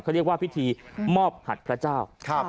ก็เรียกว่าพิธีมอบหัดพระเจ้าครับ